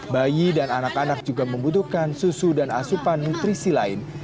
bayi dan anak anak juga membutuhkan susu dan asupan nutrisi lain